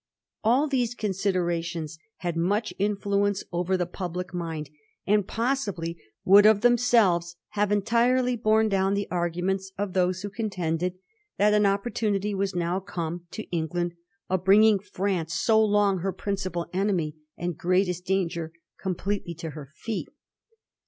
All these considerations had much influence over the public mind, and possibly would of themselves have entirely borne down the arguments of those who contended that an opportunity was now come to England of bringing France, so long her principal enemy and greatest danger, completely to her feet.